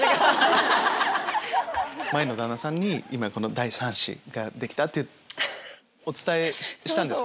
前の旦那さんに第３子ができたってお伝えしたんですか？